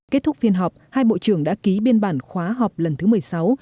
kết thúc phiên họp hai bộ trưởng đã ký biên bản khóa họp lần thứ một mươi sáu